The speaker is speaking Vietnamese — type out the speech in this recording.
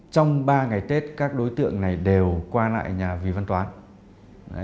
trong ba ngày tết các đối tượng này đều qua lại nhà vị văn toán